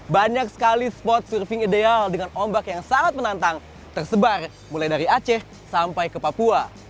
banyak sekali spot surfing ideal dengan ombak yang sangat menantang tersebar mulai dari aceh sampai ke papua